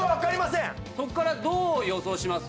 そこからどう予想します？